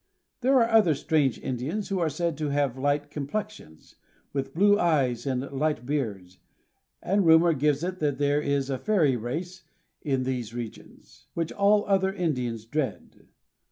There are other strange Indians who are said to have light complexions, with blue eyes and light beards, and rumor gives it that there is a fairy race in these regions which all other Indians dread.